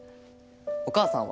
お母さんは？